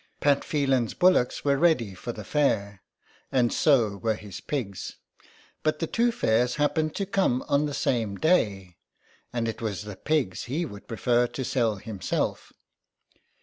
Pat Phelan'S bullocks were ready for the fair, and so were his pigs ; but the two fairs happened to come on the same day, and it was the pigs he would prefer to sell himself.